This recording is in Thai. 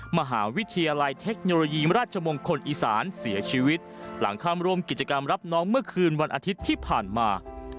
มหาวิทยาลัยเทคโนโลยีราชมงคลอีสานเสียชีวิตหลังข้ามร่วมกิจกรรมรับน้องเมื่อคืนวันอาทิตย์ที่ผ่านมา